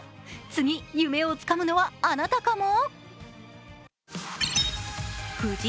次、夢をつかむのはあなたかも？